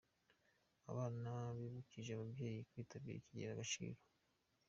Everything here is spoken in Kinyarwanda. Abana bibukije ababyeyi kwitabira ikigega Agaciro